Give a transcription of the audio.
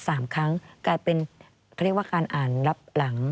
สามครั้งการเป็นพอที่หวัดการอ่านรับหลัง